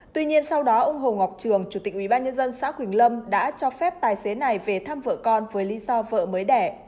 tuy nhiên sau đó ông hồ ngọc trường chủ tịch ubnd xã quỳnh lâm đã cho phép tài xế này về thăm vợ con với lý do vợ mới đẻ